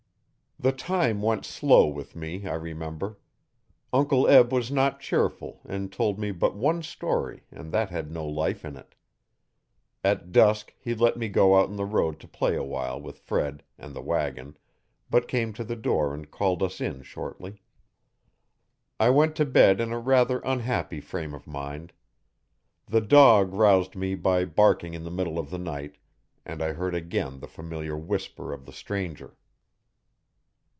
The time went slow with me I remember. Uncle Eb was not cheerful and told me but one story and that had no life in it. At dusk he let me go out in the road to play awhile with Fred and the wagon, but came to the door and called us in shortly. I went to bed in a rather unhappy frame of mind. The dog roused me by barking in the middle of the right and I heard again the familiar whisper of the stranger.